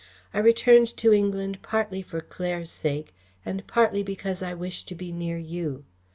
I returned to England partly for Claire's sake, and partly because I wished to be near you.